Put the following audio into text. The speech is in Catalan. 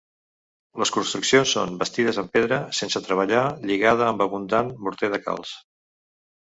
Les construccions són bastides en pedra sense treballar lligada amb abundant morter de calç.